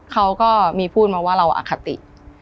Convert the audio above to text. เขาก็มีพูดมาว่าเราอคติ